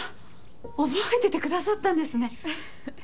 覚えててくださったんですね。